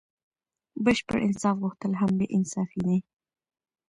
بشپړ انصاف غوښتل هم بې انصافي دئ.